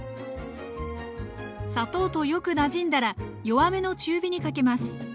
砂糖とよくなじんだら弱めの中火にかけます。